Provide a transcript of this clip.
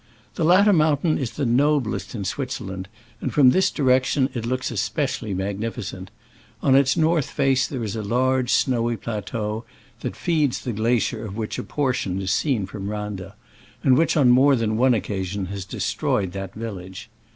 The latter mountain is the noblest in Switzerland, and from this direction it looks especially magnif icent. On its north there is a large snowy plateau that feeds the glacier of which a portion is seen from Randa, and which on more than one occasion has destroyed that village.